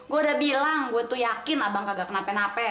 gua udah bilang gua tuh yakin abang kagak kenapenapen